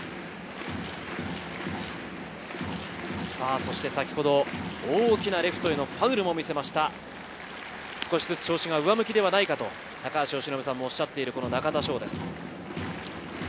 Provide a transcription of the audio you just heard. そして先ほど大きなレフトへのファウルも見せました、少しずつ調子が上向きではないかという中田翔です。